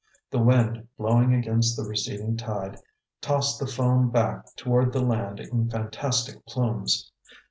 The wind, blowing against the receding tide, tossed the foam back toward the land in fantastic plumes.